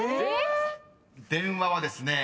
［「電話」はですね